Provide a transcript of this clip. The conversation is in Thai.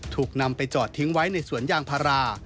ถูกนำไปจอดทิ้งไว้ในสวนยางพารา